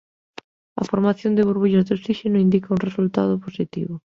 A formación de burbullas de osíxeno indica un resultado positivo.